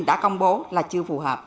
đã công bố là chưa phù hợp